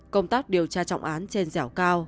công tác điều tra trọng án trên dẻo cao